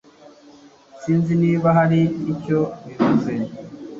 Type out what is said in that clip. Sinzi niba hari icyo bivuze